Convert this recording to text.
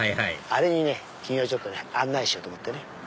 あれにね君を案内しようと思ってね。